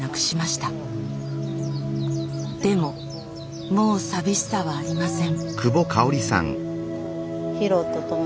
でももう寂しさはありません。